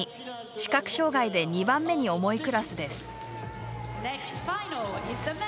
視覚障がいで２番目に重いクラスです。